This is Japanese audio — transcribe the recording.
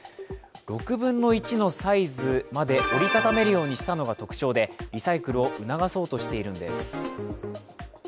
６分の１のサイズまで折り畳めるようにしたのが特徴で、リサイクルを促そうとしているんです。